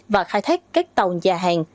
và khai thác các tàu nhà hàng